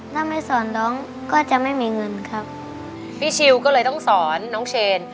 ถ้าไม่สอนน้องก็จะไม่มีเงินครับพี่ชิวก็เลยต้องสอนน้องเชน